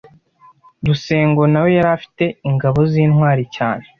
Rusengo nawe yari afite Ingabo z’intwari cyane